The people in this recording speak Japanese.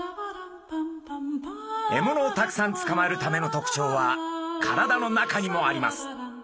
獲物をたくさんつかまえるための特徴は体の中にもあります。